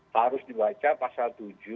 harus dibaca pasal tujuh